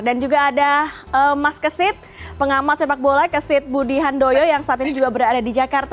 dan juga ada mas kesit pengamat sepak bola kesit budi handoyo yang saat ini juga berada di jakarta